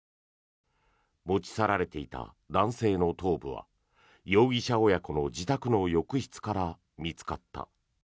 持ち去られていた男性の頭部は容疑者親子の自宅の浴室から見つかった。